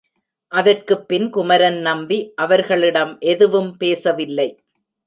அதற்குப்பின் குமரன் நம்பி அவர்களிடம் எதுவும் பேச வில்லை.